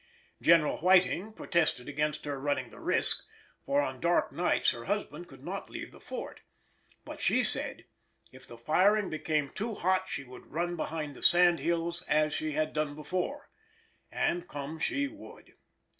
General Whiting protested against her running the risk, for on dark nights her husband could not leave the fort, but she said, "if the firing became too hot she would run behind the sand hills as she had done before," and come she would.